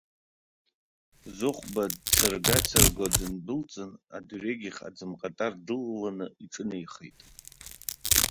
Зыхәба дцырга-цырго дындәылҵын, адырҩегьых аӡымҟатар дылаланы иҿынеихеит.